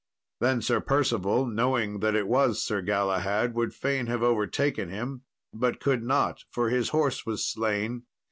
Then Sir Percival, knowing that it was Sir Galahad, would fain have overtaken him, but could not, for his horse was slain.